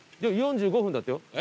４５分だってよ